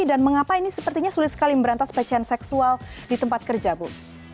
dan mengapa ini sepertinya sulit sekali memberantas pelecehan seksual di tempat kerja ibu